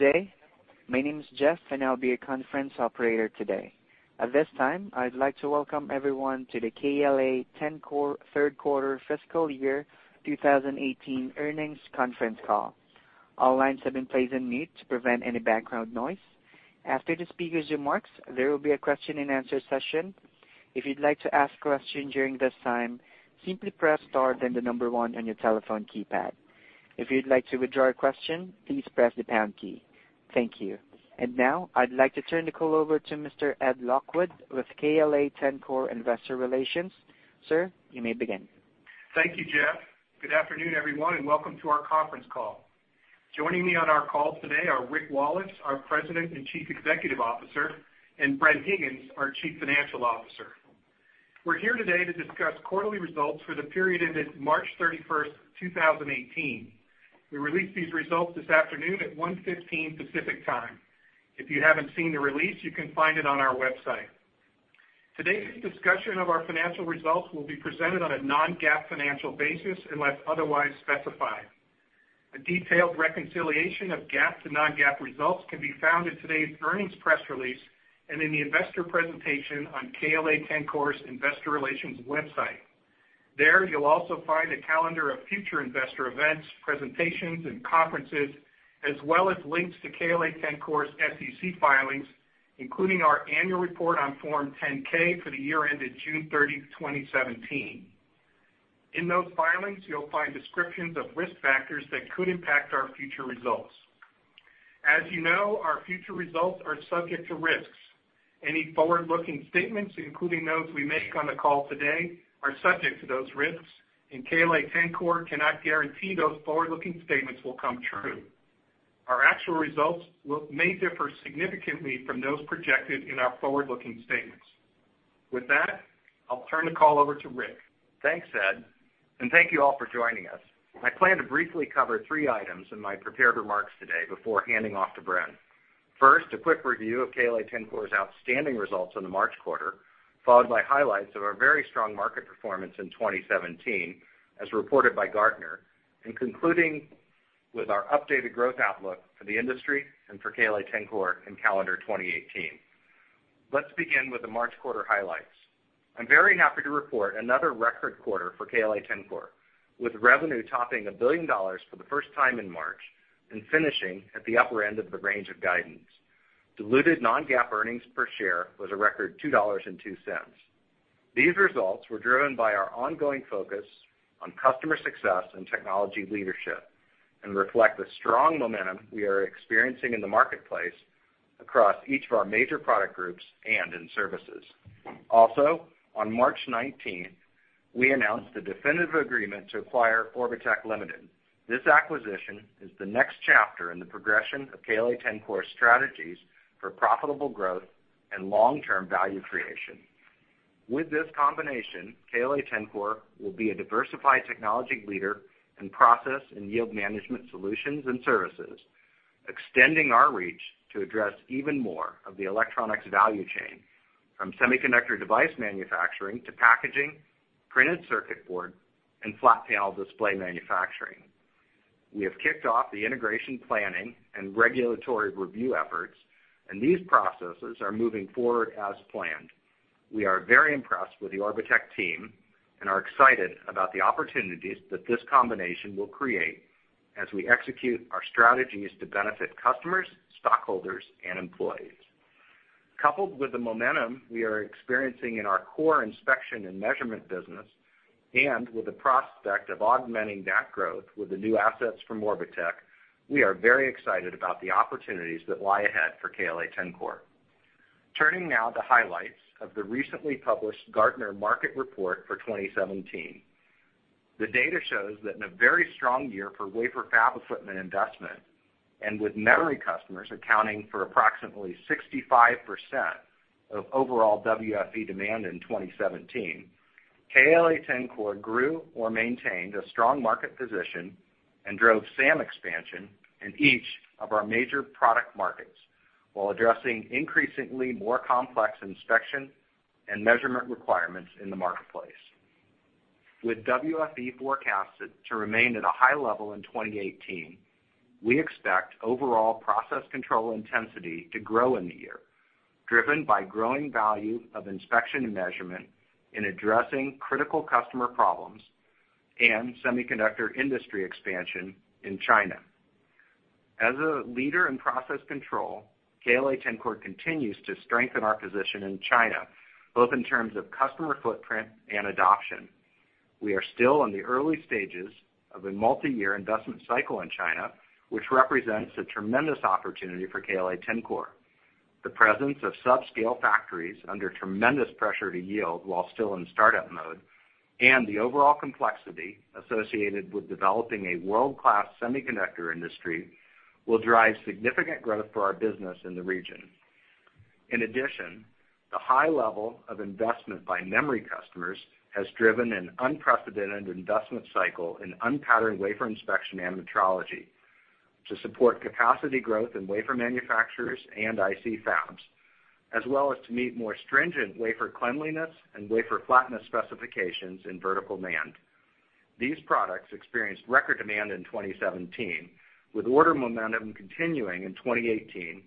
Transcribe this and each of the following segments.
Good day. My name is Jeff, and I'll be your conference operator today. At this time, I'd like to welcome everyone to the KLA-Tencor third quarter fiscal year 2018 earnings conference call. All lines have been placed on mute to prevent any background noise. After the speakers' remarks, there will be a question and answer session. If you'd like to ask a question during this time, simply press star, then number 1 on your telephone keypad. If you'd like to withdraw a question, please press the pound key. Thank you. Now, I'd like to turn the call over to Mr. Ed Lockwood with KLA-Tencor Investor Relations. Sir, you may begin. Thank you, Jeff. Good afternoon, everyone, and welcome to our conference call. Joining me on our call today are Rick Wallace, our President and Chief Executive Officer, and Bren Higgins, our Chief Financial Officer. We're here today to discuss quarterly results for the period ended March 31st, 2018. We released these results this afternoon at 1:15 P.M. Pacific Time. If you haven't seen the release, you can find it on our website. Today's discussion of our financial results will be presented on a non-GAAP financial basis unless otherwise specified. A detailed reconciliation of GAAP to non-GAAP results can be found in today's earnings press release and in the investor presentation on KLA-Tencor's investor relations website. There, you'll also find a calendar of future investor events, presentations, and conferences, as well as links to KLA-Tencor's SEC filings, including our annual report on Form 10-K for the year ended June 30, 2017. In those filings, you'll find descriptions of risk factors that could impact our future results. As you know, our future results are subject to risks. Any forward-looking statements, including those we make on the call today, are subject to those risks, and KLA-Tencor cannot guarantee those forward-looking statements will come true. Our actual results may differ significantly from those projected in our forward-looking statements. With that, I'll turn the call over to Rick. Thanks, Ed. Thank you all for joining us. I plan to briefly cover three items in my prepared remarks today before handing off to Bren. First, a quick review of KLA-Tencor's outstanding results in the March quarter, followed by highlights of our very strong market performance in 2017, as reported by Gartner. Concluding with our updated growth outlook for the industry and for KLA-Tencor in calendar 2018. Let's begin with the March quarter highlights. I'm very happy to report another record quarter for KLA-Tencor, with revenue topping $1 billion for the first time in March and finishing at the upper end of the range of guidance. Diluted non-GAAP earnings per share was a record $2.02. These results were driven by our ongoing focus on customer success and technology leadership and reflect the strong momentum we are experiencing in the marketplace across each of our major product groups and in services. On March 19th, we announced the definitive agreement to acquire Orbotech Ltd. This acquisition is the next chapter in the progression of KLA-Tencor's strategies for profitable growth and long-term value creation. With this combination, KLA-Tencor will be a diversified technology leader in process and yield management solutions and services, extending our reach to address even more of the electronics value chain, from semiconductor device manufacturing to packaging, printed circuit board, and flat panel display manufacturing. We have kicked off the integration planning and regulatory review efforts, these processes are moving forward as planned. We are very impressed with the Orbotech team and are excited about the opportunities that this combination will create as we execute our strategies to benefit customers, stockholders, and employees. Coupled with the momentum we are experiencing in our core inspection and measurement business, with the prospect of augmenting that growth with the new assets from Orbotech, we are very excited about the opportunities that lie ahead for KLA-Tencor. Turning now to highlights of the recently published Gartner market report for 2017. The data shows that in a very strong year for wafer fab equipment investment, with memory customers accounting for approximately 65% of overall WFE demand in 2017, KLA-Tencor grew or maintained a strong market position and drove SAM expansion in each of our major product markets while addressing increasingly more complex inspection and measurement requirements in the marketplace. With WFE forecasted to remain at a high level in 2018, we expect overall process control intensity to grow in the year, driven by growing value of inspection and measurement in addressing critical customer problems and semiconductor industry expansion in China. As a leader in process control, KLA-Tencor continues to strengthen our position in China, both in terms of customer footprint and adoption. We are still in the early stages of a multi-year investment cycle in China, which represents a tremendous opportunity for KLA-Tencor. The presence of sub-scale factories under tremendous pressure to yield while still in startup mode and the overall complexity associated with developing a world-class semiconductor industry will drive significant growth for our business in the region. In addition, the high level of investment by memory customers has driven an unprecedented investment cycle in unpatterned wafer inspection and metrology to support capacity growth in wafer manufacturers and IC fabs, as well as to meet more stringent wafer cleanliness and wafer flatness specifications in Vertical NAND. These products experienced record demand in 2017, with order momentum continuing in 2018,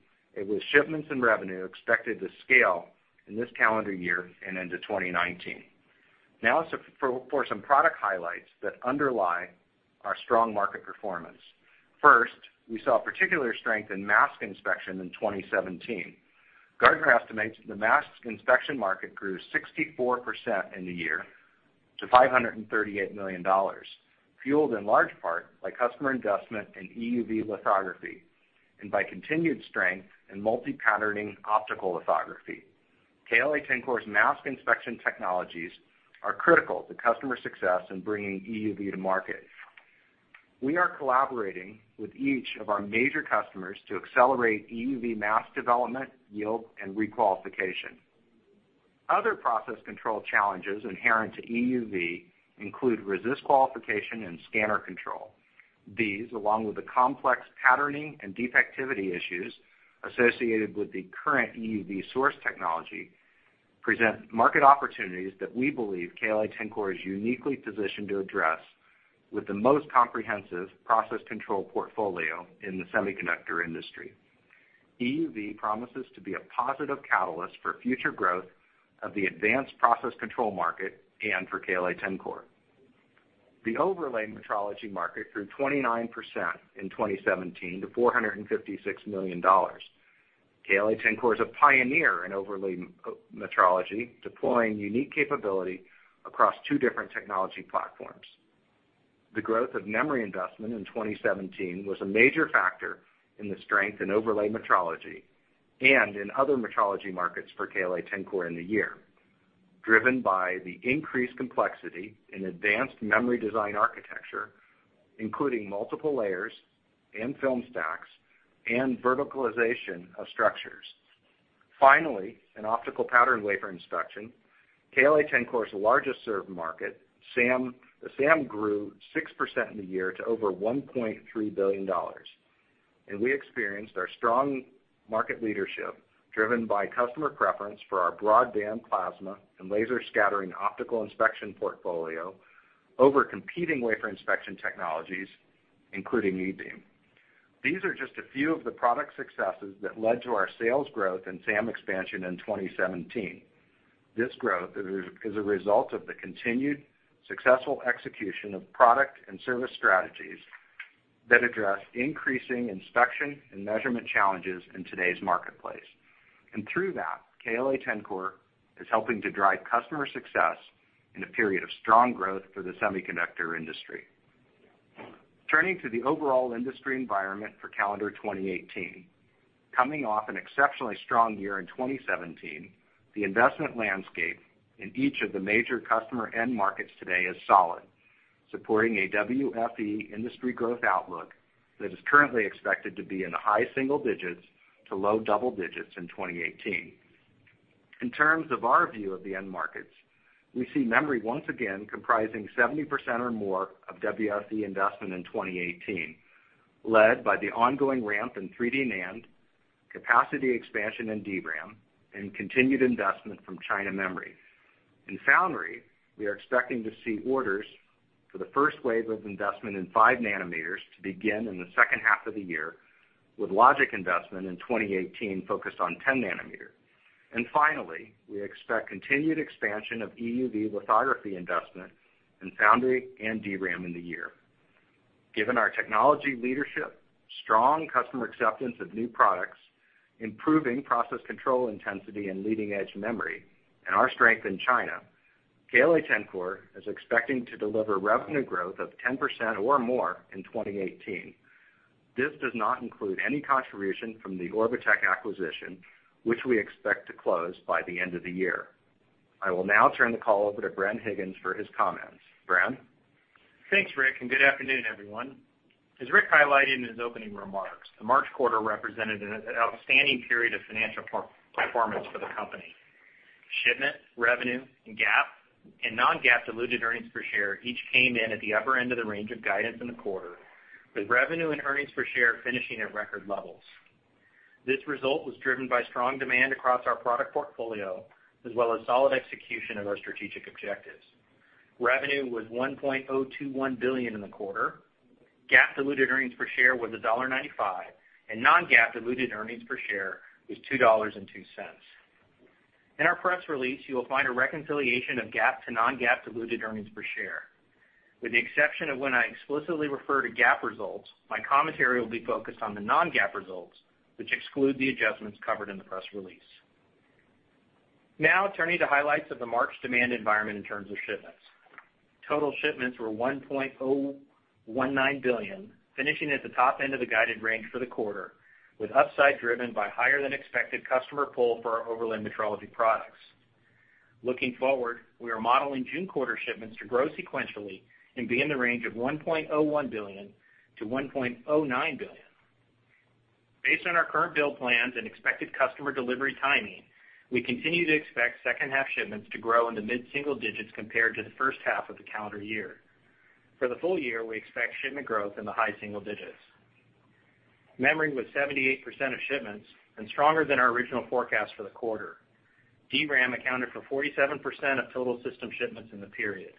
with shipments and revenue expected to scale in this calendar year and into 2019. Now for some product highlights that underlie our strong market performance. First, we saw particular strength in mask inspection in 2017. Gartner estimates that the mask inspection market grew 64% in the year to $538 million, fueled in large part by customer investment in EUV lithography, by continued strength in multi-patterning optical lithography. KLA-Tencor's mask inspection technologies are critical to customer success in bringing EUV to market. We are collaborating with each of our major customers to accelerate EUV mask development, yield, and requalification. Other process control challenges inherent to EUV include resist qualification and scanner control. These, along with the complex patterning and defectivity issues associated with the current EUV source technology, present market opportunities that we believe KLA-Tencor is uniquely positioned to address with the most comprehensive process control portfolio in the semiconductor industry. EUV promises to be a positive catalyst for future growth of the advanced process control market and for KLA-Tencor. The overlay metrology market grew 29% in 2017 to $456 million. KLA-Tencor is a pioneer in overlay metrology, deploying unique capability across two different technology platforms. The growth of memory investment in 2017 was a major factor in the strength in overlay metrology and in other metrology markets for KLA-Tencor in the year, driven by the increased complexity in advanced memory design architecture, including multiple layers and film stacks, and verticalization of structures. Finally, in optical pattern wafer inspection, KLA-Tencor's largest served market, SAM, grew 6% in the year to over $1.3 billion, and we experienced our strong market leadership driven by customer preference for our broadband plasma and laser scattering optical inspection portfolio over competing wafer inspection technologies, including E-beam. These are just a few of the product successes that led to our sales growth and SAM expansion in 2017. This growth is a result of the continued successful execution of product and service strategies that address increasing inspection and measurement challenges in today's marketplace. Through that, KLA-Tencor is helping to drive customer success in a period of strong growth for the semiconductor industry. Turning to the overall industry environment for calendar 2018. Coming off an exceptionally strong year in 2017, the investment landscape in each of the major customer end markets today is solid, supporting a WFE industry growth outlook that is currently expected to be in the high single digits to low double digits in 2018. In terms of our view of the end markets, we see memory once again comprising 70% or more of WFE investment in 2018, led by the ongoing ramp in 3D NAND, capacity expansion in DRAM, and continued investment from China Memory. In foundry, we are expecting to see orders for the first wave of investment in five nanometers to begin in the second half of the year, with logic investment in 2018 focused on 10 nanometer. Finally, we expect continued expansion of EUV lithography investment in foundry and DRAM in the year. Given our technology leadership, strong customer acceptance of new products, improving process control intensity in leading-edge memory, and our strength in China, KLA-Tencor is expecting to deliver revenue growth of 10% or more in 2018. This does not include any contribution from the Orbotech acquisition, which we expect to close by the end of the year. I will now turn the call over to Bren Higgins for his comments. Bren? Thanks, Rick, and good afternoon, everyone. As Rick highlighted in his opening remarks, the March quarter represented an outstanding period of financial performance for the company. Shipment, revenue, and GAAP and non-GAAP diluted earnings per share each came in at the upper end of the range of guidance in the quarter, with revenue and earnings per share finishing at record levels. This result was driven by strong demand across our product portfolio, as well as solid execution of our strategic objectives. Revenue was $1.021 billion in the quarter, GAAP diluted earnings per share was $1.95, and non-GAAP diluted earnings per share was $2.02. In our press release, you will find a reconciliation of GAAP to non-GAAP diluted earnings per share. With the exception of when I explicitly refer to GAAP results, my commentary will be focused on the non-GAAP results, which exclude the adjustments covered in the press release. Turning to highlights of the March demand environment in terms of shipments. Total shipments were $1.019 billion, finishing at the top end of the guided range for the quarter, with upside driven by higher-than-expected customer pull for our overlay metrology products. Looking forward, we are modeling June quarter shipments to grow sequentially and be in the range of $1.01 billion to $1.09 billion. Based on our current build plans and expected customer delivery timing, we continue to expect second half shipments to grow in the mid-single digits compared to the first half of the calendar year. For the full year, we expect shipment growth in the high single digits. Memory was 78% of shipments and stronger than our original forecast for the quarter. DRAM accounted for 47% of total system shipments in the period.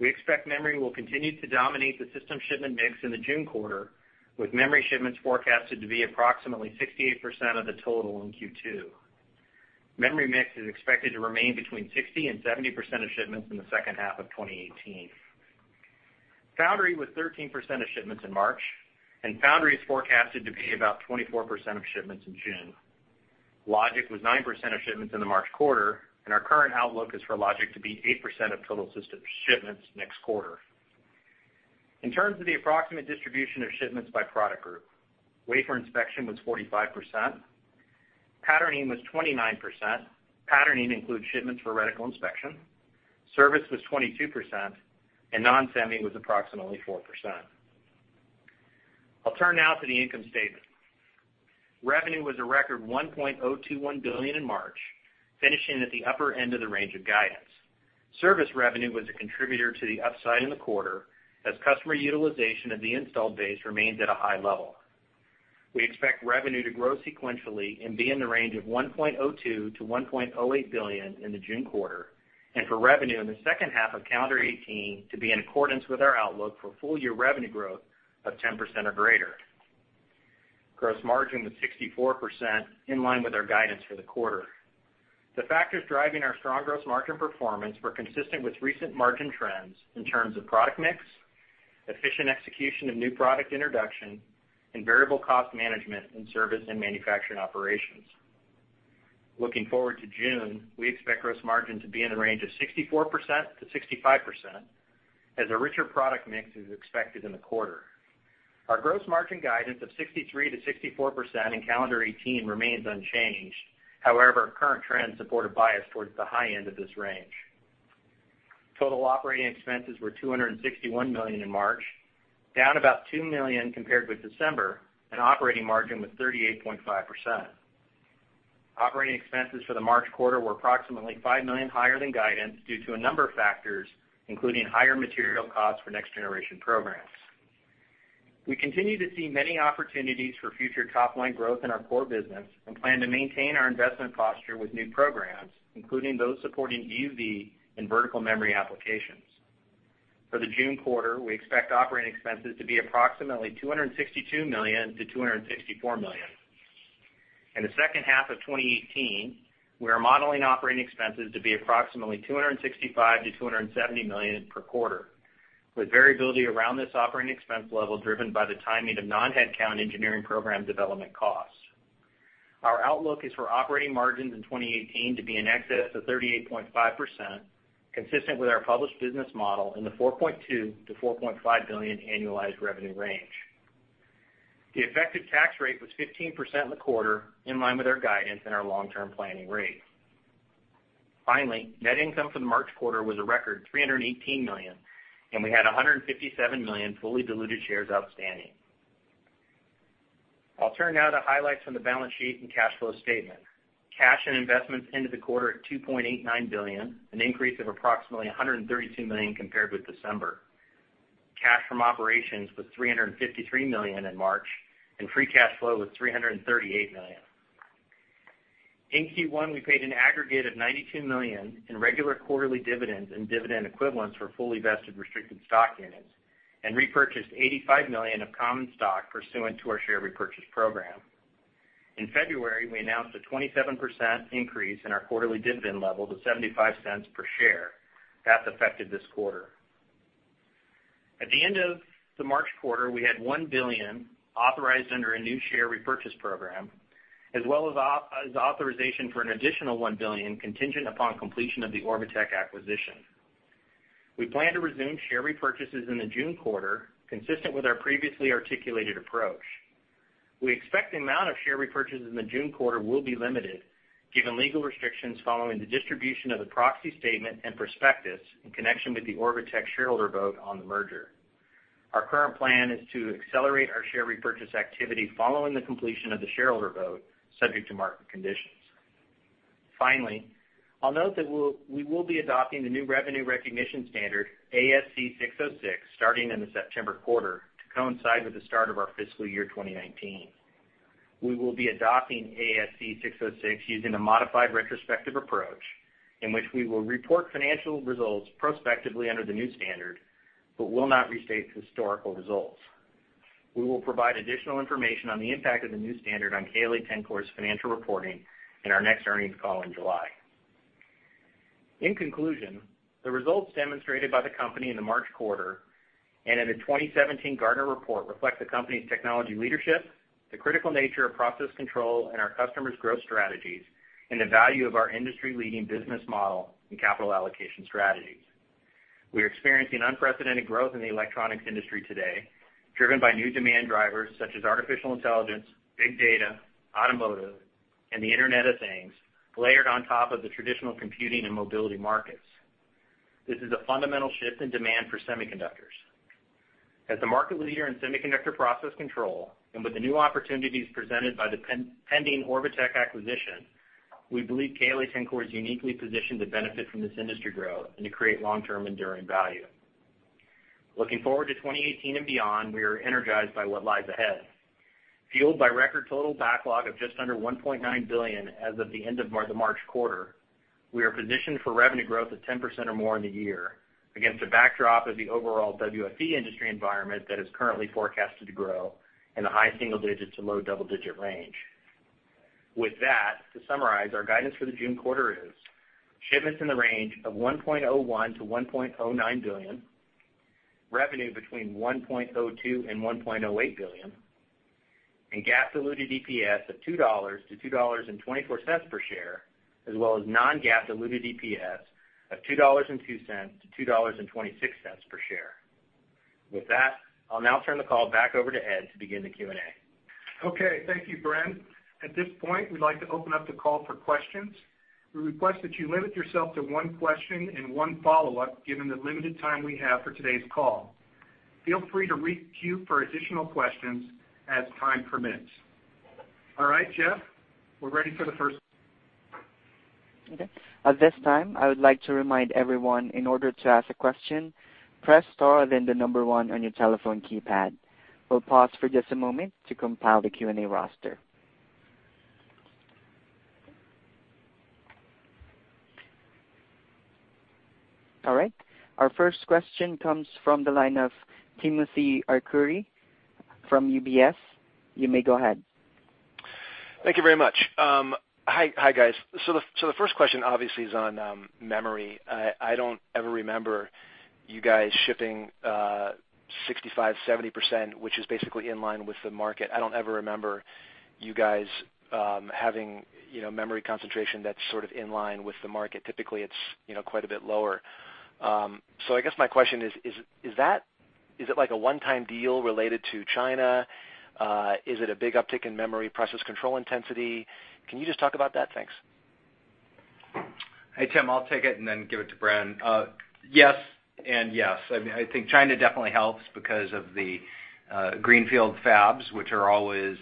We expect memory will continue to dominate the system shipment mix in the June quarter, with memory shipments forecasted to be approximately 68% of the total in Q2. Memory mix is expected to remain between 60% and 70% of shipments in the second half of 2018. Foundry was 13% of shipments in March. Foundry is forecasted to be about 24% of shipments in June. Logic was 9% of shipments in the March quarter. Our current outlook is for Logic to be 8% of total system shipments next quarter. In terms of the approximate distribution of shipments by product group, wafer inspection was 45%, patterning was 29%, patterning includes shipments for reticle inspection, service was 22%, and nonsemi was approximately 4%. I'll turn now to the income statement. Revenue was a record $1.021 billion in March, finishing at the upper end of the range of guidance. Service revenue was a contributor to the upside in the quarter, as customer utilization of the installed base remains at a high level. We expect revenue to grow sequentially and be in the range of $1.02 billion to $1.08 billion in the June quarter, and for revenue in the second half of calendar 2018 to be in accordance with our outlook for full-year revenue growth of 10% or greater. Gross margin was 64%, in line with our guidance for the quarter. The factors driving our strong gross margin performance were consistent with recent margin trends in terms of product mix, efficient execution of new product introduction, and variable cost management in service and manufacturing operations. Looking forward to June, we expect gross margin to be in the range of 64%-65% as a richer product mix is expected in the quarter. Our gross margin guidance of 63%-64% in calendar 2018 remains unchanged. However, current trends support a bias towards the high end of this range. Total operating expenses were $261 million in March, down about $2 million compared with December, and operating margin was 38.5%. Operating expenses for the March quarter were approximately $5 million higher than guidance due to a number of factors, including higher material costs for next-generation programs. We continue to see many opportunities for future top-line growth in our core business and plan to maintain our investment posture with new programs, including those supporting EUV and vertical memory applications. For the June quarter, we expect operating expenses to be approximately $262 million-$264 million. In the second half of 2018, we are modeling operating expenses to be approximately $265 million-$270 million per quarter, with variability around this operating expense level driven by the timing of non-headcount engineering program development costs. Our outlook is for operating margins in 2018 to be in excess of 38.5%, consistent with our published business model in the $4.2 billion-$4.5 billion annualized revenue range. The effective tax rate was 15% in the quarter, in line with our guidance and our long-term planning rate. Finally, net income for the March quarter was a record $318 million, and we had 157 million fully diluted shares outstanding. I'll turn now to highlights from the balance sheet and cash flow statement. Cash and investments ended the quarter at $2.89 billion, an increase of approximately $132 million compared with December. Cash from operations was $353 million in March, and free cash flow was $338 million. In Q1, we paid an aggregate of $92 million in regular quarterly dividends and dividend equivalents for fully vested restricted stock units, and repurchased $85 million of common stock pursuant to our share repurchase program. In February, we announced a 27% increase in our quarterly dividend level to $0.75 per share. That's effective this quarter. At the end of the March quarter, we had $1 billion authorized under a new share repurchase program, as well as authorization for an additional $1 billion contingent upon completion of the Orbotech acquisition. We plan to resume share repurchases in the June quarter, consistent with our previously articulated approach. We expect the amount of share repurchase in the June quarter will be limited, given legal restrictions following the distribution of the proxy statement and prospectus in connection with the Orbotech shareholder vote on the merger. Our current plan is to accelerate our share repurchase activity following the completion of the shareholder vote, subject to market conditions. Finally, I'll note that we will be adopting the new revenue recognition standard, ASC 606, starting in the September quarter to coincide with the start of our fiscal year 2019. We will be adopting ASC 606 using a modified retrospective approach, in which we will report financial results prospectively under the new standard, but will not restate historical results. We will provide additional information on the impact of the new standard on KLA-Tencor's financial reporting in our next earnings call in July. In conclusion, the results demonstrated by the company in the March quarter and in the 2017 Gartner report reflect the company's technology leadership, the critical nature of process control, and our customers' growth strategies, and the value of our industry-leading business model and capital allocation strategies. We are experiencing unprecedented growth in the electronics industry today, driven by new demand drivers such as artificial intelligence, big data, automotive, and the Internet of Things, layered on top of the traditional computing and mobility markets. This is a fundamental shift in demand for semiconductors. As the market leader in semiconductor process control, and with the new opportunities presented by the pending Orbotech acquisition We believe KLA-Tencor is uniquely positioned to benefit from this industry growth and to create long-term enduring value. Looking forward to 2018 and beyond, we are energized by what lies ahead. Fueled by record total backlog of just under $1.9 billion as of the end of the March quarter, we are positioned for revenue growth of 10% or more in the year, against a backdrop of the overall WFE industry environment that is currently forecasted to grow in the high single digits to low double-digit range. With that, to summarize, our guidance for the June quarter is shipments in the range of $1.01 billion-$1.09 billion, revenue between $1.02 billion and $1.08 billion, and GAAP diluted EPS of $2-$2.24 per share, as well as non-GAAP diluted EPS of $2.02-$2.26 per share. With that, I'll now turn the call back over to Ed to begin the Q&A. Okay. Thank you, Bren. At this point, we'd like to open up the call for questions. We request that you limit yourself to one question and one follow-up, given the limited time we have for today's call. Feel free to re-queue for additional questions as time permits. All right, Jeff, we're ready for the first. Okay. At this time, I would like to remind everyone, in order to ask a question, press star, then the number one on your telephone keypad. We'll pause for just a moment to compile the Q&A roster. All right. Our first question comes from the line of Timothy Arcuri from UBS. You may go ahead. Thank you very much. Hi, guys. The first question obviously is on memory. I don't ever remember you guys shipping 65%-70%, which is basically in line with the market. I don't ever remember you guys having memory concentration that's sort of in line with the market. Typically, it's quite a bit lower. I guess my question is it like a one-time deal related to China? Is it a big uptick in memory process control intensity? Can you just talk about that? Thanks. Hey, Tim. I'll take it and then give it to Bren. Yes, and yes. I think China definitely helps because of the greenfield fabs, which are always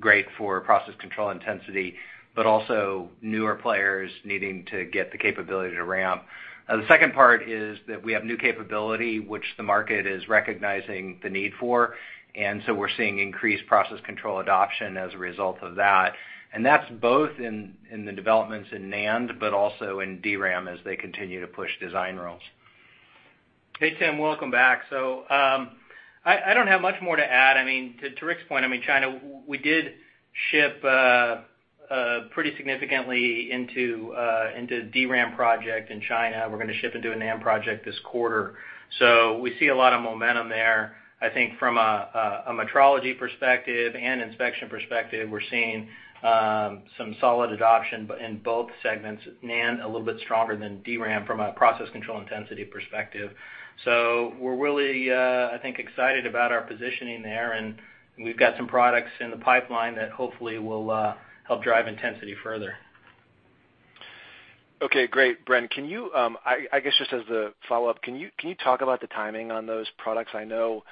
great for process control intensity, but also newer players needing to get the capability to ramp. The second part is that we have new capability, which the market is recognizing the need for. We're seeing increased process control adoption as a result of that. That's both in the developments in NAND, but also in DRAM as they continue to push design rules. Hey, Tim. Welcome back. I don't have much more to add. To Rick's point, China, we did ship pretty significantly into a DRAM project in China. We're going to ship into a NAND project this quarter. We see a lot of momentum there. I think from a metrology perspective and inspection perspective, we're seeing some solid adoption in both segments, NAND a little bit stronger than DRAM from a process control intensity perspective. We're really, I think, excited about our positioning there, and we've got some products in the pipeline that hopefully will help drive intensity further. Okay, great. Bren, I guess just as a follow-up, can you talk about the timing on those products? I know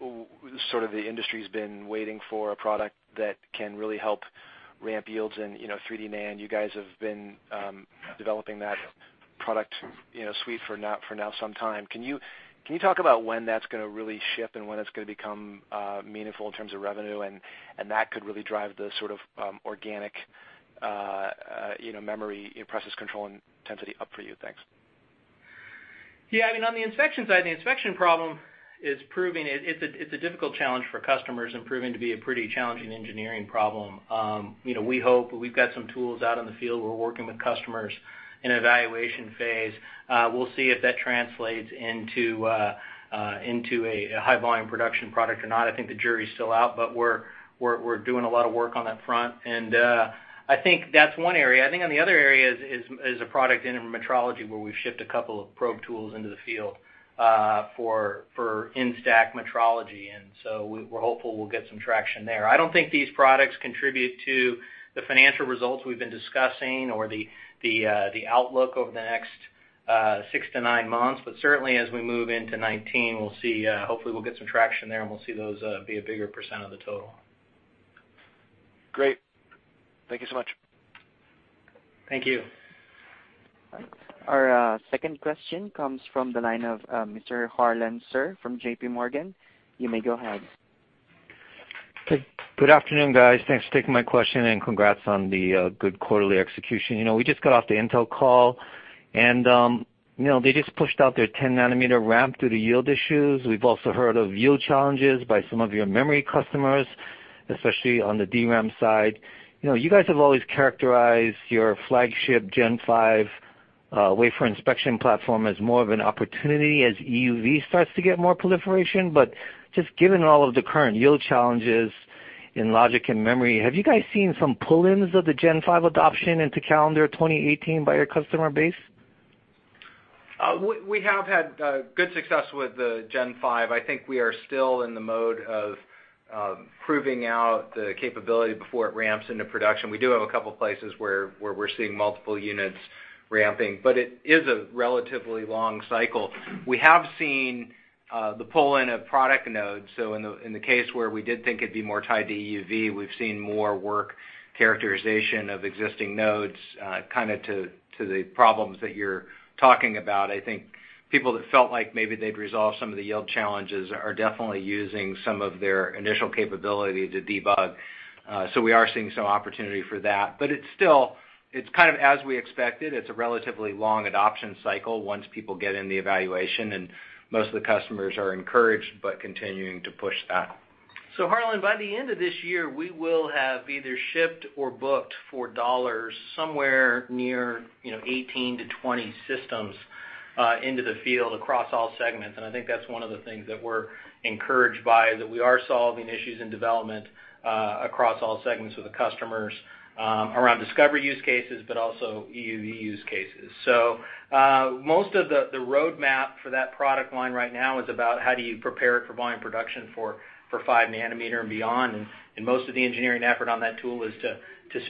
the industry's been waiting for a product that can really help ramp yields in 3D NAND. You guys have been developing that product suite for now some time. Can you talk about when that's going to really ship and when it's going to become meaningful in terms of revenue, and that could really drive the sort of organic memory process control intensity up for you? Thanks. Yeah. On the inspection side, the inspection problem, it's a difficult challenge for customers and proving to be a pretty challenging engineering problem. We hope we've got some tools out in the field. We're working with customers in an evaluation phase. We'll see if that translates into a high-volume production product or not. I think the jury's still out. We're doing a lot of work on that front. I think that's one area. I think on the other area is a product in metrology where we've shipped a couple of probe tools into the field for in-stack metrology. We're hopeful we'll get some traction there. I don't think these products contribute to the financial results we've been discussing or the outlook over the next 6 to 9 months. Certainly, as we move into 2019, hopefully we'll get some traction there, and we'll see those be a bigger % of the total. Great. Thank you so much. Thank you. Our second question comes from the line of Mr. Harlan Sur from J.P. Morgan. You may go ahead. Good afternoon, guys. Thanks for taking my question, and congrats on the good quarterly execution. We just got off the Intel call, and they just pushed out their 10 nanometer ramp due to yield issues. We've also heard of yield challenges by some of your memory customers, especially on the DRAM side. You guys have always characterized your flagship Gen5 wafer inspection platform as more of an opportunity as EUV starts to get more proliferation. Just given all of the current yield challenges in logic and memory, have you guys seen some pull-ins of the Gen5 adoption into calendar 2018 by your customer base? We have had good success with the Gen5. I think we are still in the mode of proving out the capability before it ramps into production. We do have a couple of places where we're seeing multiple units ramping, but it is a relatively long cycle. We have seen the pull in of product nodes. In the case where we did think it'd be more tied to EUV, we've seen more work characterization of existing nodes, to the problems that you're talking about. I think people that felt like maybe they'd resolve some of the yield challenges are definitely using some of their initial capability to debug. We are seeing some opportunity for that. It's kind of as we expected. It's a relatively long adoption cycle once people get in the evaluation, and most of the customers are encouraged, but continuing to push that. Harlan, by the end of this year, we will have either shipped or booked for dollars somewhere near 18-20 systems into the field across all segments, and I think that's one of the things that we're encouraged by, that we are solving issues in development across all segments with the customers around discovery use cases, but also EUV use cases. Most of the roadmap for that product line right now is about how do you prepare it for volume production for five nanometer and beyond, and most of the engineering effort on that tool is to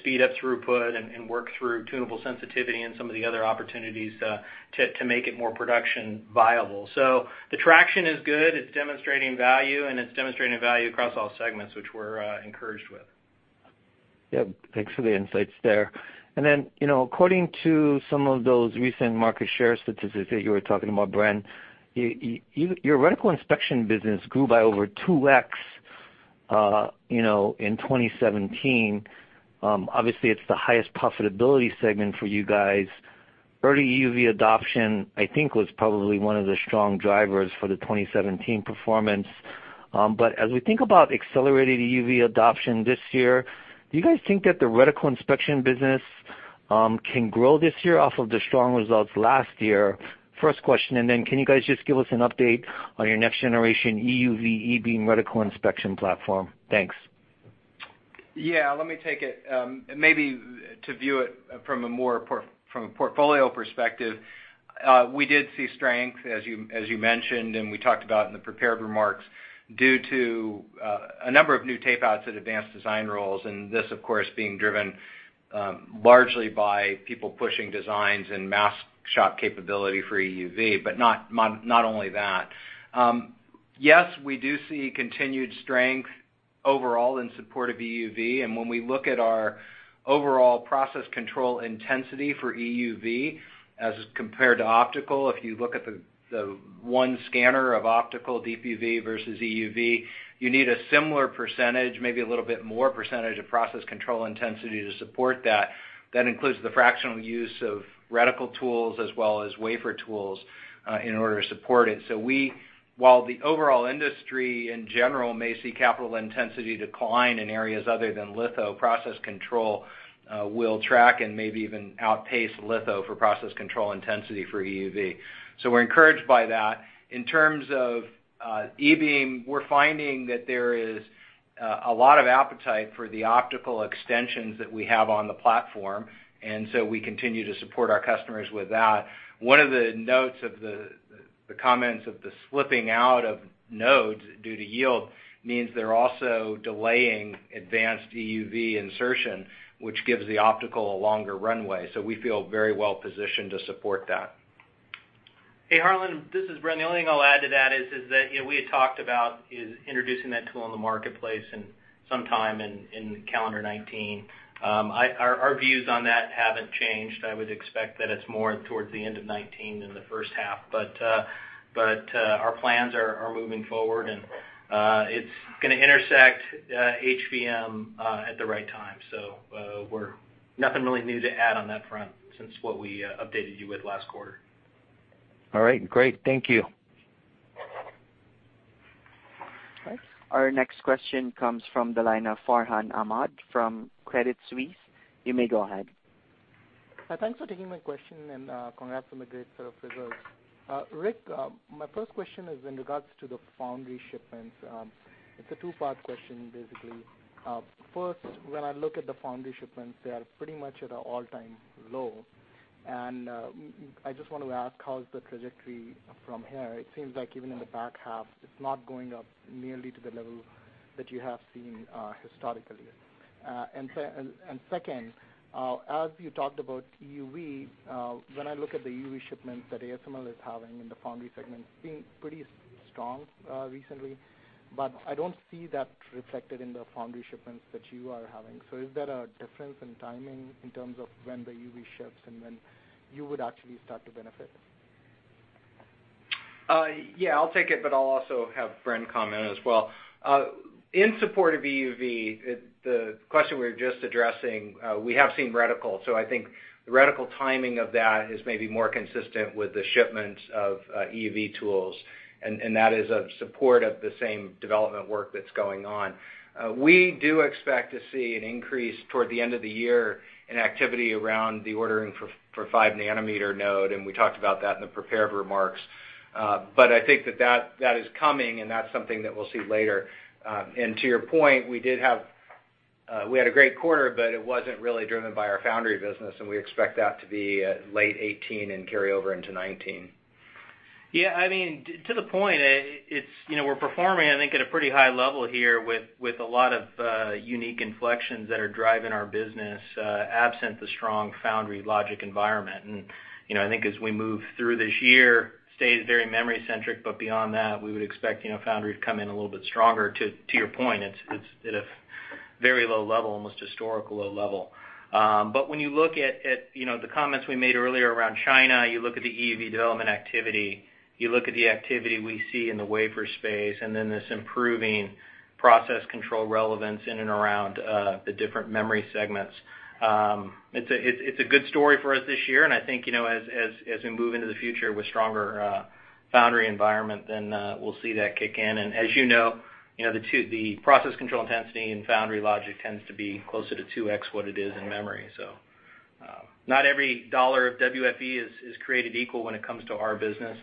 speed up throughput and work through tunable sensitivity and some of the other opportunities to make it more production viable. The traction is good. It's demonstrating value, and it's demonstrating value across all segments, which we're encouraged with. Yeah. Thanks for the insights there. According to some of those recent market share statistics that you were talking about, Bren, your reticle inspection business grew by over 2x in 2017. Obviously, it's the highest profitability segment for you guys. Early EUV adoption, I think, was probably one of the strong drivers for the 2017 performance. As we think about accelerated EUV adoption this year, do you guys think that the reticle inspection business can grow this year off of the strong results last year? First question, can you guys just give us an update on your next generation EUV E-beam reticle inspection platform? Thanks. Yeah, let me take it. Maybe to view it from a portfolio perspective, we did see strength, as you mentioned, and we talked about in the prepared remarks, due to a number of new tape-outs at advanced design rules, and this, of course, being driven largely by people pushing designs and mask shop capability for EUV, but not only that. Yes, we do see continued strength overall in support of EUV, and when we look at our overall process control intensity for EUV as compared to optical, if you look at the one scanner of optical DUV versus EUV, you need a similar percentage, maybe a little bit more percentage of process control intensity to support that. That includes the fractional use of reticle tools as well as wafer tools in order to support it. While the overall industry, in general, may see capital intensity decline in areas other than litho, process control will track and maybe even outpace litho for process control intensity for EUV. We're encouraged by that. In terms of E-beam, we're finding that there is a lot of appetite for the optical extensions that we have on the platform, we continue to support our customers with that. One of the notes of the comments of the slipping out of nodes due to yield means they're also delaying advanced EUV insertion, which gives the optical a longer runway. We feel very well positioned to support that. Hey, Harlan, this is Bren. The only thing I'll add to that is that we had talked about is introducing that tool in the marketplace sometime in calendar 2019. Our views on that haven't changed. I would expect that it's more towards the end of 2019 than the first half. Our plans are moving forward, and it's going to intersect HVM at the right time. Nothing really new to add on that front since what we updated you with last quarter. All right, great. Thank you. Our next question comes from the line of Farhan Ahmad from Credit Suisse. You may go ahead. Thanks for taking my question, and congrats on the great set of results. Rick, my first question is in regards to the foundry shipments. It's a two-part question, basically. First, when I look at the foundry shipments, they are pretty much at an all-time low. I just want to ask how is the trajectory from here? It seems like even in the back half, it's not going up nearly to the level that you have seen historically. Second, as you talked about EUV, when I look at the EUV shipments that ASML is having in the foundry segment, it's been pretty strong recently, but I don't see that reflected in the foundry shipments that you are having. Is there a difference in timing in terms of when the EUV ships and when you would actually start to benefit? Yeah, I'll take it, but I'll also have Bren comment as well. In support of EUV, the question we were just addressing, we have seen reticle. I think the reticle timing of that is maybe more consistent with the shipments of EUV tools, and that is of support of the same development work that's going on. We do expect to see an increase toward the end of the year in activity around the ordering for five nanometer node, and we talked about that in the prepared remarks. I think that that is coming, and that's something that we'll see later. To your point, we had a great quarter, but it wasn't really driven by our foundry business, and we expect that to be late 2018 and carry over into 2019. Yeah. To the point, we're performing, I think, at a pretty high level here with a lot of unique inflections that are driving our business, absent the strong foundry logic environment. I think as we move through this year, stays very memory centric, but beyond that, we would expect foundry to come in a little bit stronger. To your point, it's at a very low level, almost historical low level. When you look at the comments we made earlier around China, you look at the EUV development activity, you look at the activity we see in the wafer space, and then this improving process control relevance in and around the different memory segments. It's a good story for us this year, I think, as we move into the future with stronger foundry environment, then we'll see that kick in. As you know, the process control intensity in foundry logic tends to be closer to 2x what it is in memory. Not every dollar of WFE is created equal when it comes to our business.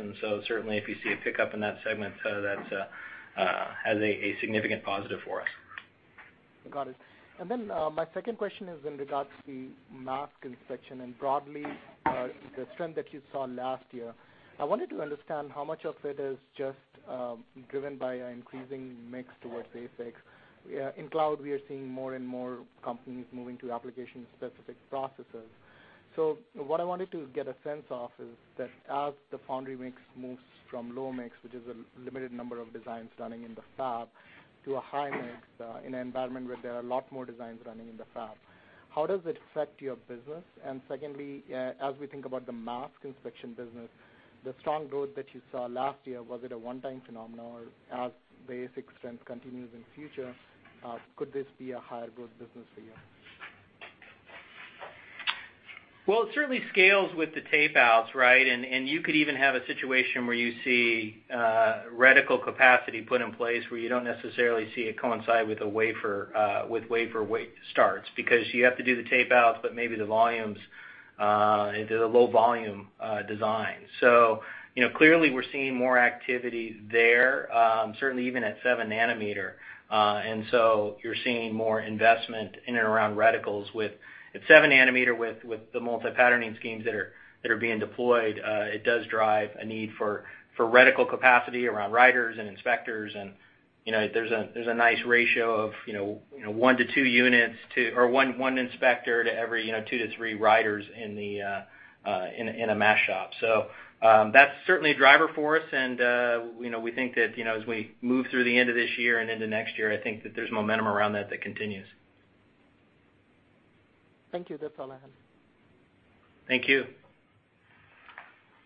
Certainly if you see a pickup in that segment, that has a significant positive for us. Got it. Then, my second question is in regards to mask inspection and broadly the trend that you saw last year. I wanted to understand how much of it is just driven by an increasing mix towards ASICs. In cloud, we are seeing more and more companies moving to application-specific processes. What I wanted to get a sense of is that as the foundry mix moves from low mix, which is a limited number of designs running in the fab, to a high mix, in an environment where there are a lot more designs running in the fab, how does it affect your business? Secondly, as we think about the mask inspection business, the strong growth that you saw last year, was it a one-time phenomenon, or as the ASICs trend continues in future, could this be a higher growth business for you? Well, it certainly scales with the tape outs, right? You could even have a situation where you see reticle capacity put in place where you don't necessarily see it coincide with wafer weight starts because you have to do the tape outs, but maybe the volumes, it is a low volume design. Clearly we're seeing more activity there, certainly even at seven nanometer. You're seeing more investment in and around reticles. At seven nanometer with the multi-patterning schemes that are being deployed, it does drive a need for reticle capacity around writers and inspectors. There's a nice ratio of one to two units, or one inspector to every two to three writers in a mask shop. That's certainly a driver for us. We think that, as we move through the end of this year and into next year, I think that there's momentum around that that continues. Thank you. That's all I have. Thank you.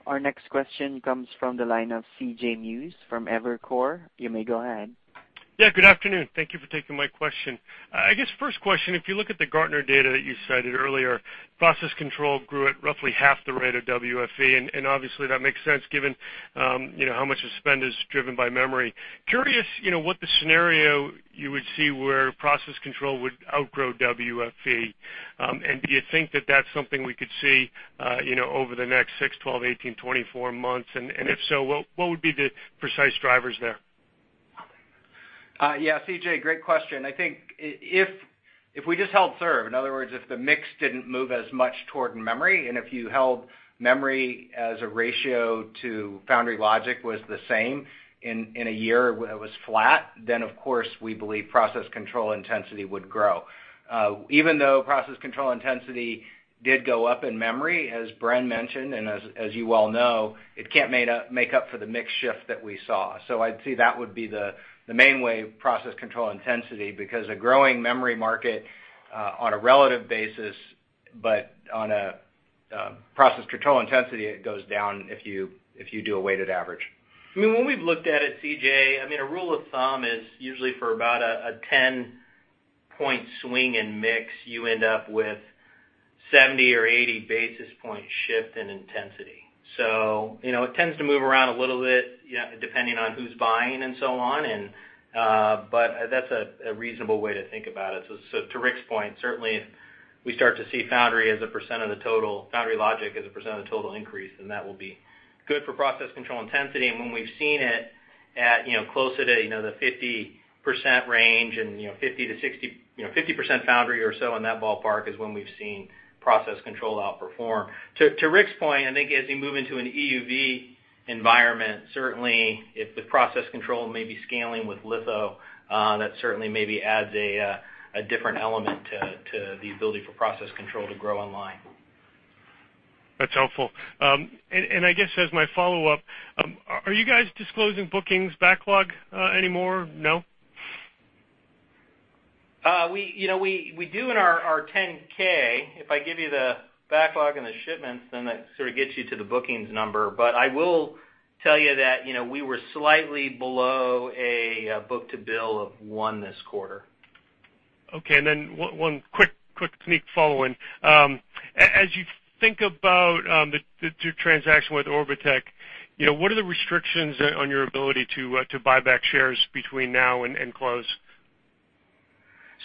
Our next question comes from the line of C.J. Muse from Evercore. You may go ahead. Good afternoon. Thank you for taking my question. I guess first question, if you look at the Gartner data that you cited earlier, process control grew at roughly half the rate of WFE, and obviously that makes sense given how much the spend is driven by memory. Curious, what the scenario you would see where process control would outgrow WFE. Do you think that that's something we could see over the next six, 12, 18, 24 months? If so, what would be the precise drivers there? CJ, great question. I think if we just held serve, in other words, if the mix didn't move as much toward memory, and if you held memory as a ratio to foundry logic was the same in a year, it was flat, then of course we believe process control intensity would grow. Even though process control intensity did go up in memory, as Bren mentioned, and as you all know, it can't make up for the mix shift that we saw. I'd say that would be the main way of process control intensity, because a growing memory market, on a relative basis, but on a process control intensity, it goes down if you do a weighted average. When we've looked at it, CJ, a rule of thumb is usually for about a 10-point swing in mix, you end up with 70 or 80 basis point shift in intensity. It tends to move around a little bit, depending on who's buying and so on. That's a reasonable way to think about it. To Rick's point, certainly if we start to see foundry logic as a percent of the total increase, then that will be good for process control intensity. When we've seen it at closer to the 50% range, and 50% foundry or so in that ballpark is when we've seen process control outperform. To Rick's point, I think as we move into an EUV environment, certainly if the process control may be scaling with litho, that certainly maybe adds a different element to the ability for process control to grow online. That's helpful. I guess as my follow-up, are you guys disclosing bookings backlog anymore? No? We do in our 10-K. If I give you the backlog and the shipments, that sort of gets you to the bookings number. I will tell you that we were slightly below a book-to-bill of one this quarter. One quick sneak follow-in. As you think about the transaction with Orbotech, what are the restrictions on your ability to buy back shares between now and close?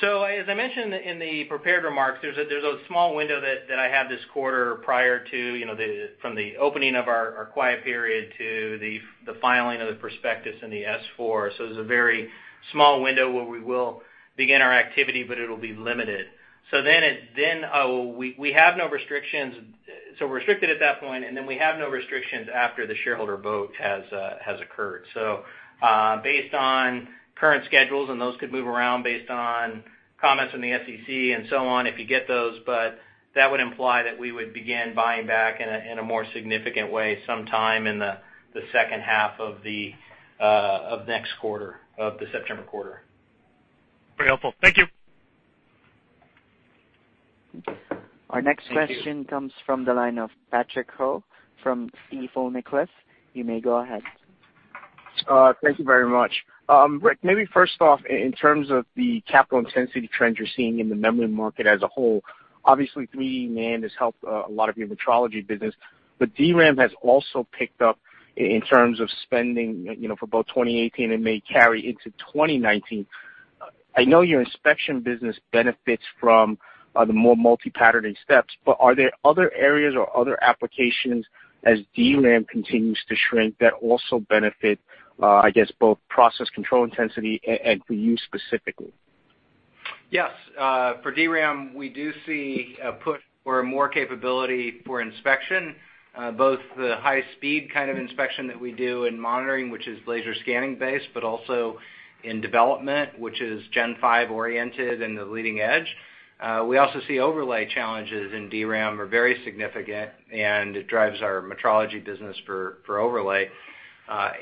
As I mentioned in the prepared remarks, there's a small window that I have this quarter prior to from the opening of our quiet period to the filing of the prospectus and the S-4. It's a very small window where we will begin our activity, but it'll be limited. We have no restrictions Restricted at that point, we have no restrictions after the shareholder vote has occurred. Based on current schedules, and those could move around based on comments from the SEC and so on, if you get those, but that would imply that we would begin buying back in a more significant way sometime in the second half of next quarter, of the September quarter. Very helpful. Thank you. Thank you. Our next question comes from the line of Patrick Ho from Stifel Financial Corp. You may go ahead. Thank you very much. Rick, maybe first off, in terms of the capital intensity trends you're seeing in the memory market as a whole, obviously 3D NAND has helped a lot of your metrology business, but DRAM has also picked up in terms of spending, for both 2018 and may carry into 2019. I know your inspection business benefits from the more multi-patterning steps, but are there other areas or other applications as DRAM continues to shrink that also benefit, I guess, both process control intensity and for you specifically? Yes. For DRAM, we do see a push for more capability for inspection, both the high speed kind of inspection that we do in monitoring, which is laser scattering based, but also in development, which is Gen5 oriented and the leading edge. We also see overlay challenges in DRAM are very significant, and it drives our metrology business for overlay.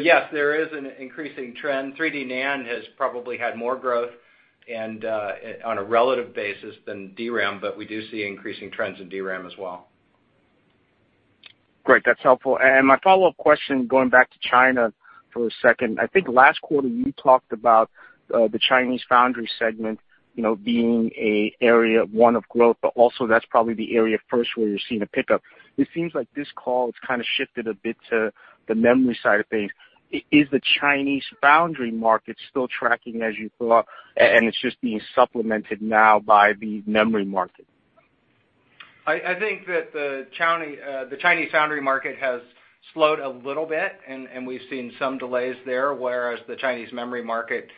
Yes, there is an increasing trend. 3D NAND has probably had more growth, and on a relative basis than DRAM, but we do see increasing trends in DRAM as well. Great. That's helpful. My follow-up question, going back to China for a second, I think last quarter you talked about the Chinese foundry segment being a area, one of growth, but also that's probably the area first where you're seeing a pickup. It seems like this call, it's kind of shifted a bit to the memory side of things. Is the Chinese foundry market still tracking as you thought, and it's just being supplemented now by the memory market? I think that the Chinese foundry market has slowed a little bit, and we've seen some delays there, whereas the Chinese memory market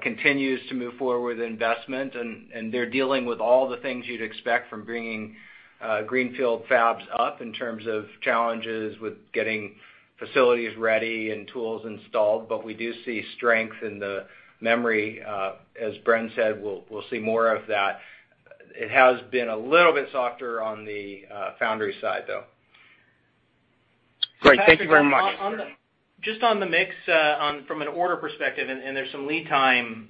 continues to move forward with investment, and they're dealing with all the things you'd expect from bringing greenfield fabs up in terms of challenges with getting facilities ready and tools installed. We do see strength in the memory. As Bren said, we'll see more of that. It has been a little bit softer on the foundry side, though. Great. Thank you very much. Patrick- Just on the mix, from an order perspective, there's some lead time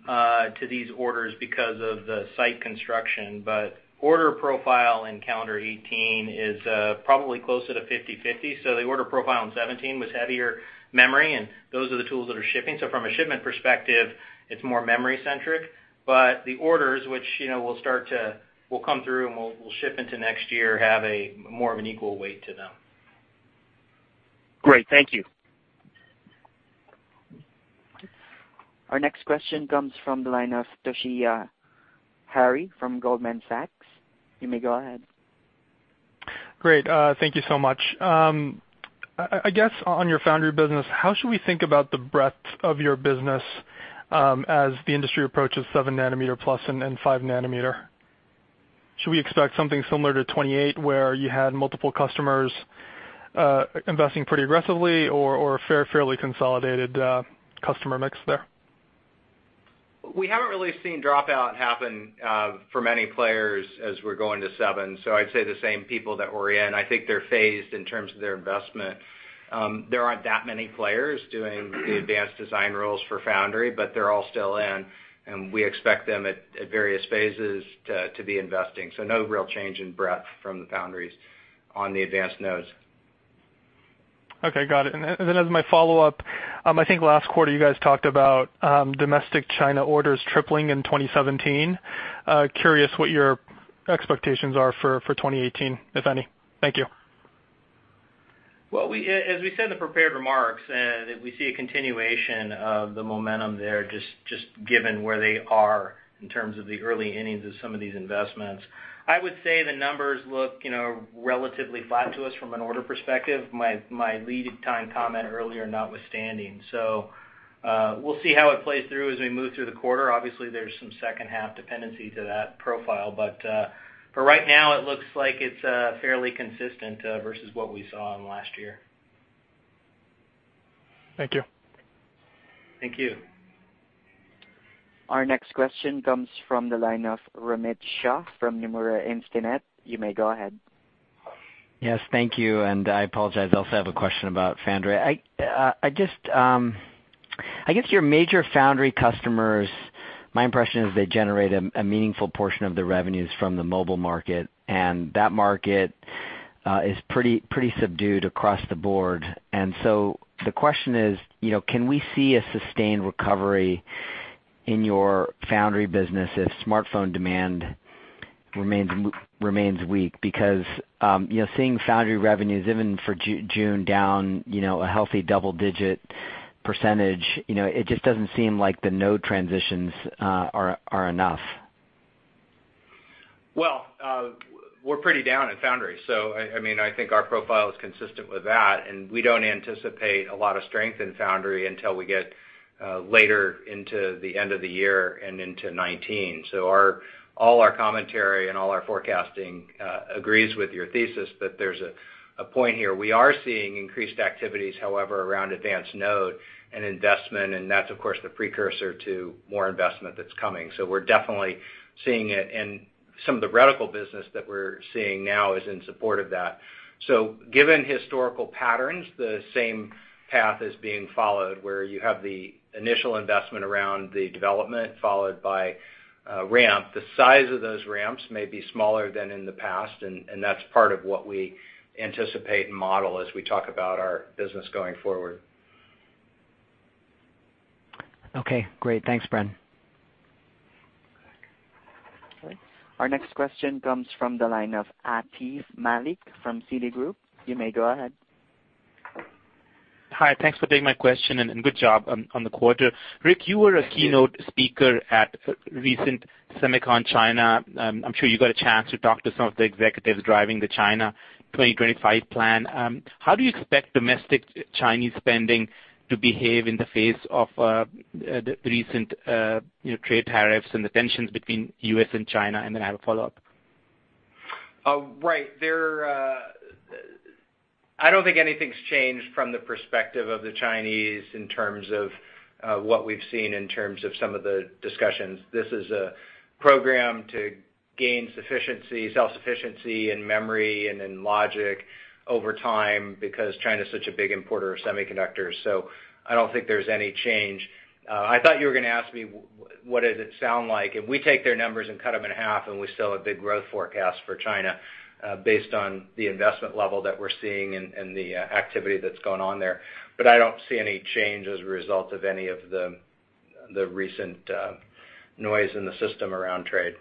to these orders because of the site construction, order profile in calendar 2018 is probably closer to 50/50. The order profile in 2017 was heavier memory, and those are the tools that are shipping. From a shipment perspective, it's more memory centric. The orders, which we'll come through and we'll ship into next year, have more of an equal weight to them. Great. Thank you. Our next question comes from the line of Toshiya Hari from Goldman Sachs. You may go ahead. Great. Thank you so much. I guess on your foundry business, how should we think about the breadth of your business as the industry approaches seven nanometer plus and five nanometer? Should we expect something similar to 2028 where you had multiple customers investing pretty aggressively or a fairly consolidated customer mix there? We haven't really seen dropout happen for many players as we're going to seven. I'd say the same people that were in. I think they're phased in terms of their investment. There aren't that many players doing the advanced design rules for foundry, but they're all still in, and we expect them at various phases to be investing. No real change in breadth from the foundries on the advanced nodes. Okay. Got it. As my follow-up, I think last quarter you guys talked about domestic China orders tripling in 2017. Curious what your expectations are for 2018, if any. Thank you. Well, as we said in the prepared remarks, we see a continuation of the momentum there just given where they are in terms of the early innings of some of these investments. I would say the numbers look relatively flat to us from an order perspective, my lead time comment earlier notwithstanding. We'll see how it plays through as we move through the quarter. Obviously, there's some second half dependency to that profile. For right now, it looks like it's fairly consistent versus what we saw in last year. Thank you. Thank you. Our next question comes from the line of Romit Shah from Nomura Instinet. You may go ahead. Yes. Thank you. I apologize, I also have a question about foundry. I guess your major foundry customers, my impression is they generate a meaningful portion of their revenues from the mobile market, that market is pretty subdued across the board. The question is can we see a sustained recovery in your foundry business if smartphone demand remains weak? Seeing foundry revenues even for June down a healthy double-digit %, it just doesn't seem like the node transitions are enough. We're pretty down at foundry. I think our profile is consistent with that, we don't anticipate a lot of strength in foundry until we get later into the end of the year and into 2019. All our commentary all our forecasting agrees with your thesis that there's a point here. We are seeing increased activities, however, around advanced node and investment, that's of course, the precursor to more investment that's coming. We're definitely seeing it, some of the reticle business that we're seeing now is in support of that. Given historical patterns, the same path is being followed, where you have the initial investment around the development followed by ramp. The size of those ramps may be smaller than in the past, that's part of what we anticipate and model as we talk about our business going forward. Okay, great. Thanks, Bren. Our next question comes from the line of Atif Malik from Citigroup. You may go ahead. Hi. Thanks for taking my question, and good job on the quarter. Rick, you were a keynote speaker at recent SEMICON China. I'm sure you got a chance to talk to some of the executives driving the Made in China 2025 plan. How do you expect domestic Chinese spending to behave in the face of the recent trade tariffs and the tensions between U.S. and China? Then I have a follow-up. Right. I don't think anything's changed from the perspective of the Chinese in terms of what we've seen in terms of some of the discussions. This is a program to gain self-sufficiency in memory and in logic over time because China's such a big importer of semiconductors. I don't think there's any change. I thought you were going to ask me, what does it sound like? If we take their numbers and cut them in half then we still have a big growth forecast for China, based on the investment level that we're seeing and the activity that's going on there. I don't see any change as a result of any of the recent noise in the system around trade.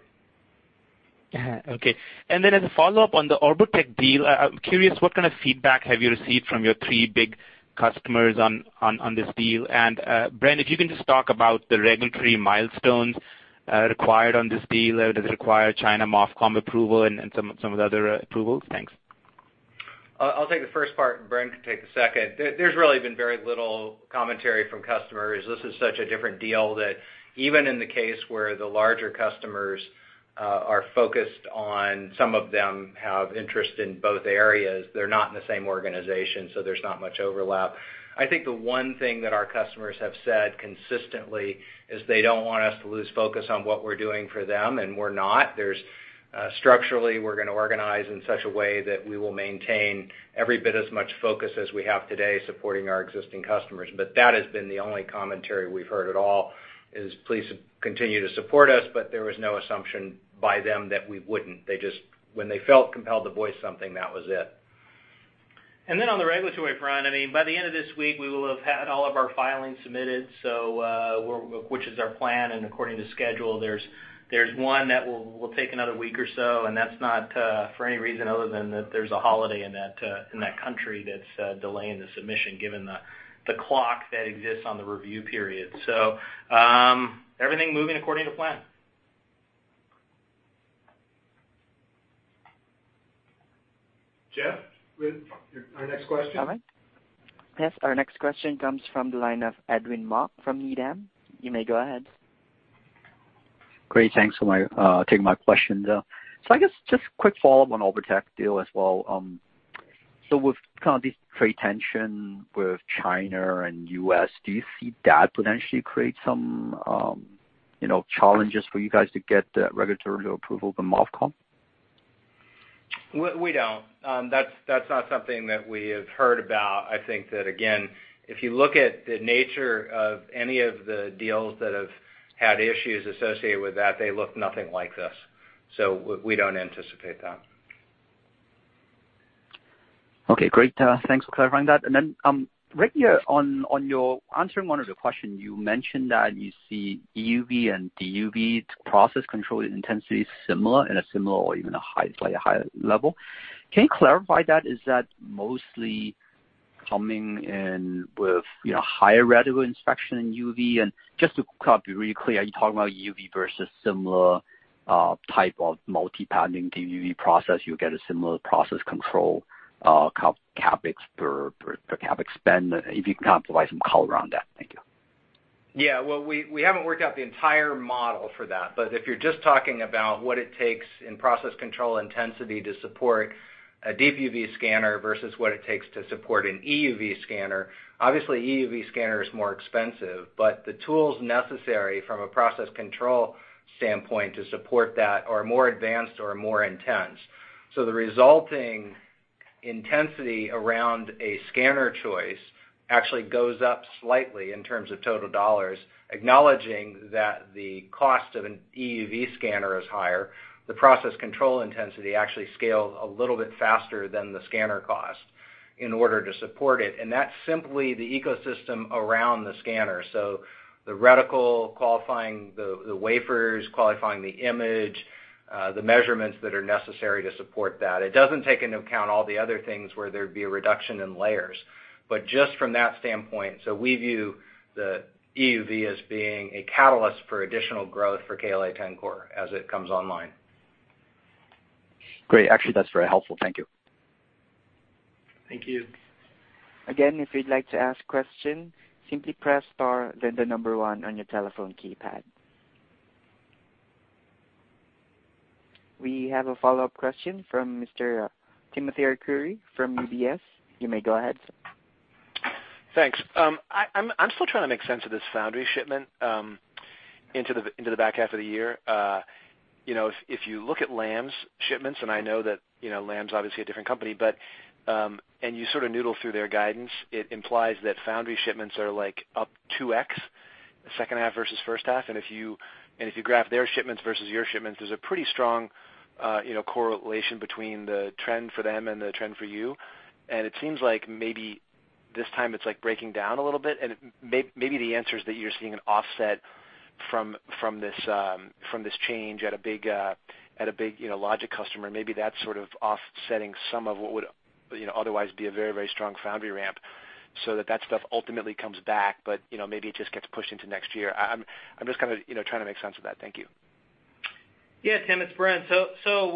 Okay. As a follow-up on the Orbotech deal, I'm curious what kind of feedback have you received from your three big customers on this deal? Bren, if you can just talk about the regulatory milestones required on this deal. Does it require China MOFCOM approval and some of the other approvals? Thanks. I'll take the first part, and Bren can take the second. There's really been very little commentary from customers. This is such a different deal that even in the case where the larger customers are focused on, some of them have interest in both areas, they're not in the same organization, so there's not much overlap. I think the one thing that our customers have said consistently is they don't want us to lose focus on what we're doing for them, and we're not. Structurally, we're going to organize in such a way that we will maintain every bit as much focus as we have today supporting our existing customers. That has been the only commentary we've heard at all, is please continue to support us, but there was no assumption by them that we wouldn't. When they felt compelled to voice something, that was it. On the regulatory front, by the end of this week, we will have had all of our filings submitted, which is our plan and according to schedule. There's one that will take another week or so, and that's not for any reason other than that there's a holiday in that country that's delaying the submission given the clock that exists on the review period. Everything moving according to plan. Jeff, our next question. Yes. Our next question comes from the line of Edwin Mok from Needham. You may go ahead. Great. Thanks for taking my question. I guess just quick follow-up on Orbotech deal as well. With kind of this trade tension with China and U.S., do you see that potentially create some challenges for you guys to get the regulatory approval from MOFCOM? We don't. That's not something that we have heard about. I think that, again, if you look at the nature of any of the deals that have had issues associated with that, they look nothing like this. We don't anticipate that. Okay, great. Thanks for clarifying that. Then, Rick, on your answering one of the question, you mentioned that you see EUV and DUV process control intensity similar in a similar or even a slightly higher level. Can you clarify that? Is that mostly coming in with higher reticle inspection in EUV? Just to be really clear, are you talking about EUV versus similar type of multi-patterning DUV process, you get a similar process control CapEx spend, if you can provide some color around that. Thank you. Yeah. Well, we haven't worked out the entire model for that, but if you're just talking about what it takes in process control intensity to support a deep UV scanner versus what it takes to support an EUV scanner, obviously EUV scanner is more expensive, but the tools necessary from a process control standpoint to support that are more advanced or more intense. The resulting intensity around a scanner choice actually goes up slightly in terms of total dollars, acknowledging that the cost of an EUV scanner is higher. The process control intensity actually scales a little bit faster than the scanner cost in order to support it. That's simply the ecosystem around the scanner. The reticle qualifying the wafers, qualifying the image, the measurements that are necessary to support that. It doesn't take into account all the other things where there'd be a reduction in layers, but just from that standpoint. We view the EUV as being a catalyst for additional growth for KLA-Tencor as it comes online. Great. Actually, that's very helpful. Thank you. Thank you. Again, if you'd like to ask question, simply press star then the number 1 on your telephone keypad. We have a follow-up question from Mr. Timothy Arcuri from UBS. You may go ahead, sir. Thanks. I'm still trying to make sense of this foundry shipment into the back half of the year. If you look at Lam's shipments, I know that Lam's obviously a different company, and you sort of noodle through their guidance, it implies that foundry shipments are up 2X second half versus first half. If you graph their shipments versus your shipments, there's a pretty strong correlation between the trend for them and the trend for you, and it seems like maybe this time it's breaking down a little bit, and maybe the answer is that you're seeing an offset from this change at a big logic customer. Maybe that's sort of offsetting some of what would otherwise be a very strong foundry ramp, so that stuff ultimately comes back, but maybe it just gets pushed into next year. I'm just kind of trying to make sense of that. Thank you. Yeah, Tim, it's Bren.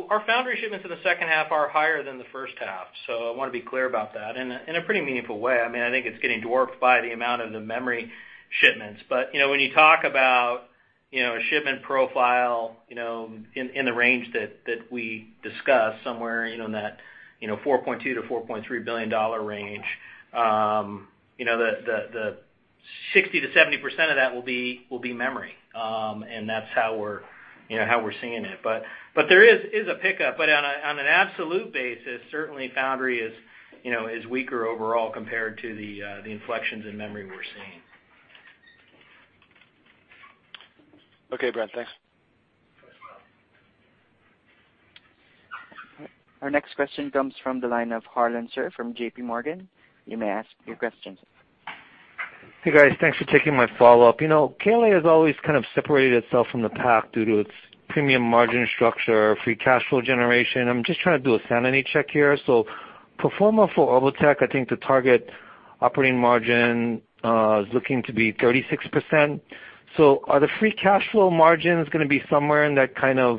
Our foundry shipments in the second half are higher than the first half, so I want to be clear about that, in a pretty meaningful way. I think it's getting dwarfed by the amount of the memory shipments. When you talk about a shipment profile in the range that we discussed, somewhere in that $4.2 billion-$4.3 billion range, the 60%-70% of that will be memory. That's how we're seeing it. There is a pickup. On an absolute basis, certainly foundry is weaker overall compared to the inflections in memory we're seeing. Okay, Bren. Thanks. Our next question comes from the line of Harlan Sur from J.P. Morgan. You may ask your question. Hey, guys. Thanks for taking my follow-up. KLA has always kind of separated itself from the pack due to its premium margin structure, free cash flow generation. I'm just trying to do a sanity check here. Pro forma for Orbotech, I think the target operating margin is looking to be 36%. Are the free cash flow margins going to be somewhere in that kind of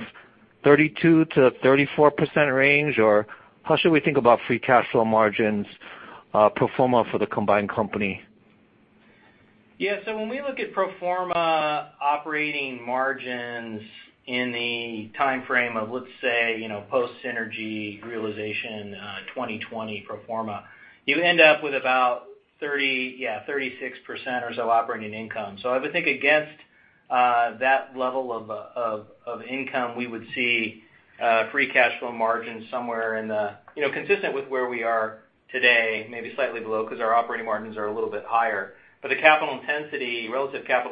32%-34% range, or how should we think about free cash flow margins pro forma for the combined company? Yeah. When we look at pro forma operating margins in the timeframe of, let's say, post synergy realization 2020 pro forma, you end up with about 36% or so operating income. I would think against that level of income, we would see free cash flow margin consistent with where we are today, maybe slightly below, because our operating margins are a little bit higher. The relative capital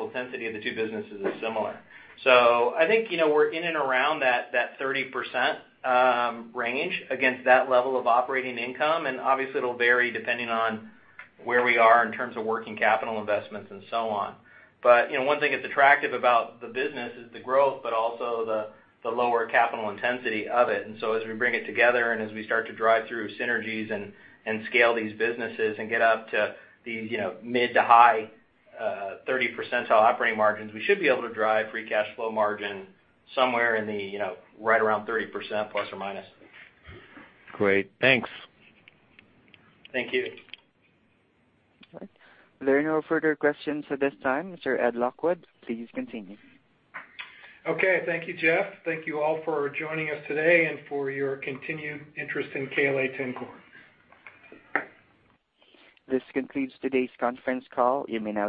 intensity of the two businesses is similar. I think we're in and around that 30% range against that level of operating income, and obviously, it'll vary depending on where we are in terms of working capital investments and so on. One thing that's attractive about the business is the growth, but also the lower capital intensity of it. As we bring it together and as we start to drive through synergies and scale these businesses and get up to these mid to high 30 percentile operating margins, we should be able to drive free cash flow margin somewhere right around 30%, ±. Great. Thanks. Thank you. All right. There are no further questions at this time. Mr. Ed Lockwood, please continue. Okay. Thank you, Jeff. Thank you all for joining us today and for your continued interest in KLA-Tencor. This concludes today's conference call. You may now disconnect.